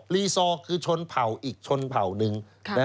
รีซอร์คือชนเผ่าอีกชนเผ่าหนึ่ง